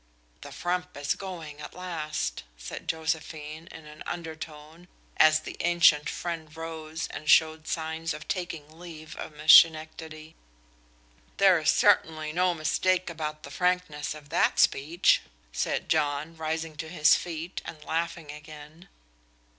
"The frump is going at last," said Josephine, in an undertone, as the ancient friend rose and showed signs of taking leave of Miss Schenectady. "There is certainly no mistake about the frankness of that speech," said John, rising to his feet and laughing again.